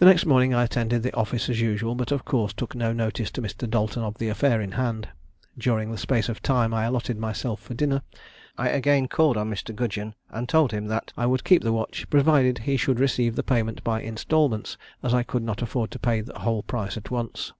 "The next morning I attended the office as usual, but of course took no notice to Mr. Dalton of the affair in hand. During the space of time I allotted myself for dinner, I again called on Mr. Gudgeon, and told him that I would keep the watch, provided he should receive the payment by instalments, as I could not afford to pay the whole price at once.